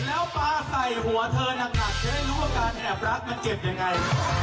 แล้วปลาใส่หัวเธอนักเพื่อให้รู้ว่าการแอบรักมันเจ็บอย่างไร